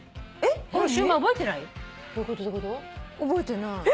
覚えてない？